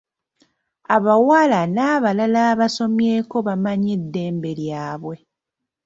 Abawala n'abalala abasomyeko bamanyi eddembe lyabwe.